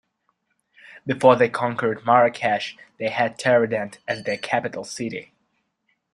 Before they conquered Marrakech, they had Taroudannt as their capital city.